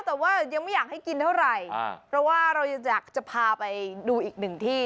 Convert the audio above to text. แต่ว่ายังไม่อยากให้กินเท่าไหร่เพราะว่าเรายังอยากจะพาไปดูอีกหนึ่งที่